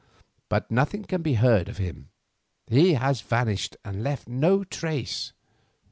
But nothing can be heard of him. He has vanished and left no trace.